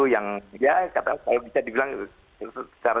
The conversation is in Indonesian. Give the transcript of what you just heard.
yang ya kalau bisa dibilang secara sederhana